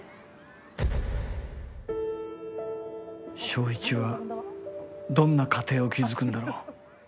章一はどんな家庭を築くんだろう